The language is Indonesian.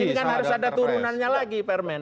iya dong ini kan harus ada turunannya lagi permen